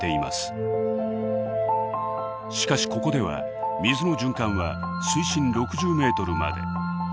しかしここでは水の循環は水深６０メートルまで。